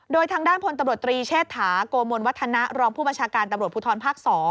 โดยทางด้านพลตำรวจตรีเชษฐาโกมลวัฒนะรองผู้บัญชาการตำรวจภูทรภาค๒